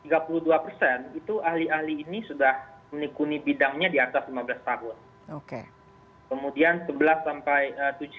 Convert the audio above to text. kalau kita beritahu pada isu soal pengalaman berapa lama mereka berpengalaman pada bidang yang mereka cekuni saat ini